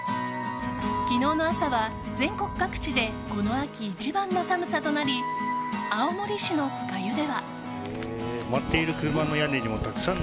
昨日の朝は全国各地でこの秋一番の寒さとなり青森市の酸ヶ湯では。